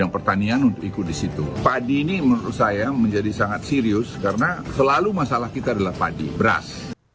padi ini menurut saya menjadi sangat serius karena selalu masalah kita adalah padi beras